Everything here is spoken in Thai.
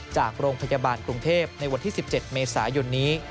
จากโรงพยาบาลกรุงเทพในวันที่๑๗เมษายนนี้